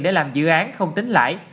để làm dự án không tính lại